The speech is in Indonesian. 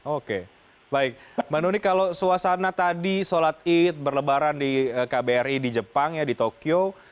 oke baik mbak nuni kalau suasana tadi sholat id berlebaran di kbri di jepang ya di tokyo